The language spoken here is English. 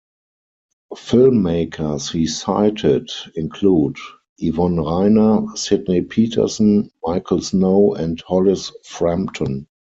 Filmmakers he cited include Yvonne Rainer, Sidney Peterson, Michael Snow, and Hollis Frampton.